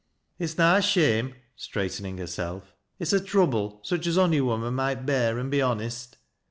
It's na a shame,'' straightening herself; "it's a trouble such as ony woman might bear an' be honest.